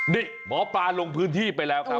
นี่หมอปลาลงพื้นที่ไปแล้วครับ